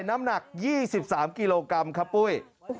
น้ำหนัก๒๓กิโลกรัมครับปุ้ย